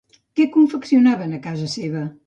Què confeccionaven a casa seva?